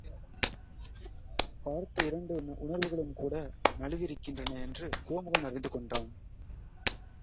பார்த்த இரண்டு உணர்வுகளும் கூட நழுவியிருக்கின்றன என்று கோமுகன் அறிந்து கொண்டான்.